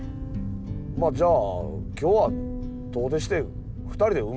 まあじゃあ今日は遠出して２人で海行くか。